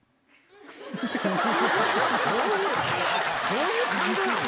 どういう感情なの？